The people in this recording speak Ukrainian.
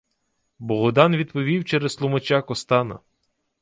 Богдан відповів через тлумача Костана: